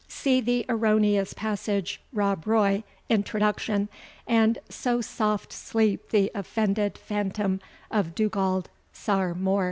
See the erroneous passage, ROB ROY, Introduction; and so soft sleep the offended phantom of Dugald Ciar Mohr.